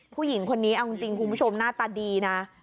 ผู้หญิงคนนี้เอาจริงคุณผู้ชมหน้าตาดีนะ